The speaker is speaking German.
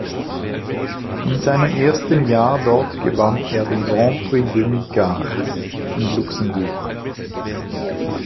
In seinem ersten Jahr dort gewann er den "Grand Prix Demy-Cars" in Luxemburg.